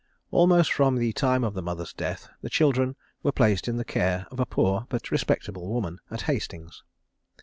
Almost from the time of the mother's death, the children were placed in the care of a poor, but respectable woman, at Hastings.